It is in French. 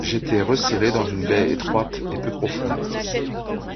J’étais resserré dans une baie étroite et peu profonde!...